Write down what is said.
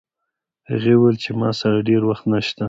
هغې وویل چې ما سره ډېر وخت نشته